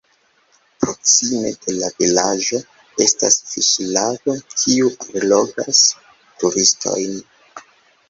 Proksime de la vilaĝo estas fiŝlago, kiu allogas turistojn.